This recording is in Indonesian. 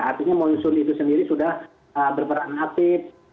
artinya monsoon itu sendiri sudah berperan api